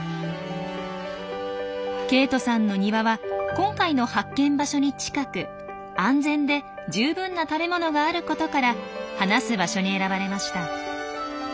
ケイトさんの庭は今回の発見場所に近く安全で十分な食べ物があることから放す場所に選ばれました。